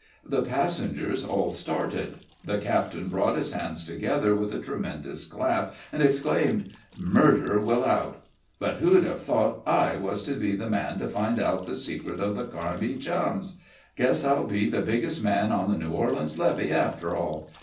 The passengers all started the captain brought his hands together with a tremendous clap, and exclaimed: "Murder will out! But who'd have thought I was to be the man to find out the secret of the Carmi Chums? Guess I'll be the biggest man on the New Orleans levee, after all.